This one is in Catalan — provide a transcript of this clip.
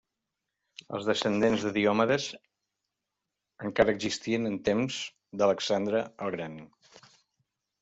Els descendents de Diomedes encara existien en temps d'Alexandre el Gran.